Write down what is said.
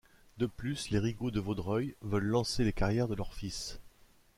De plus, les Rigaud de Vaudreuil veulent lancer les carrières de leurs fils.